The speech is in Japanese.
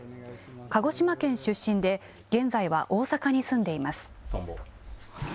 鹿児島県出身で、現在は大阪に住んでいます。